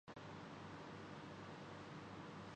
ہریرو